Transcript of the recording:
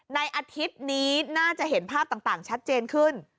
อาทิตย์นี้น่าจะเห็นภาพต่างชัดเจนขึ้น